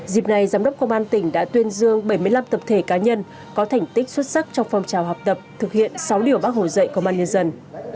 dịp này giám đốc công an tỉnh đã tuyên dương bảy mươi năm tập thể cá nhân có thành tích xuất sắc trong phong trào học tập thực hiện sáu điều bác hồ dạy công an nhân dân